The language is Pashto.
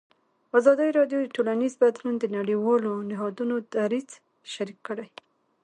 ازادي راډیو د ټولنیز بدلون د نړیوالو نهادونو دریځ شریک کړی.